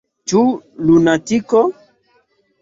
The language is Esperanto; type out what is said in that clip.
Ĉu lunatiko?